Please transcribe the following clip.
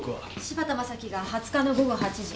柴田雅樹が２０日の午後８時。